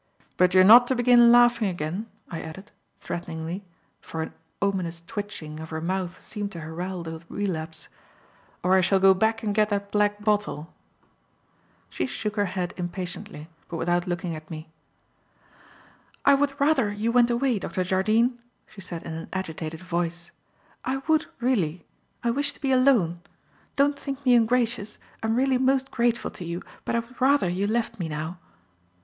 But you're not to begin laughing again," I added, threateningly, for an ominous twitching of her mouth seemed to herald a relapse, "or I shall go back and get that black bottle." She shook her head impatiently, but without looking at me. "I would rather you went away, Dr. Jardine," she said in an agitated voice. "I would, really. I wish to be alone. Don't think me ungracious. I am really most grateful to you, but I would rather you left me now."